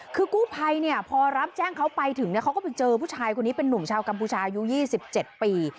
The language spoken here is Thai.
คือกู้ภัยเนี่ยพอรับแจ้งเขาไปถึงเขาก็ไปเจอผู้ชายคนนี้เป็นนุ่มชาวกัมพูชาอายุ๒๗ปี